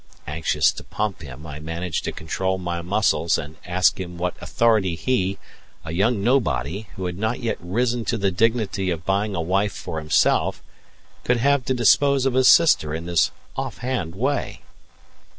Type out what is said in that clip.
Anxious to pump him, I managed to control my muscles and asked him what authority he a young nobody, who had not yet risen to the dignity of buying a wife for himself could have to dispose of a sister in this offhand way?